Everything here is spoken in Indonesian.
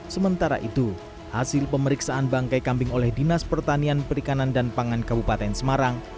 sementara itu hasil pemeriksaan bangkai kambing oleh dinas pertanian perikanan dan pangan kabupaten semarang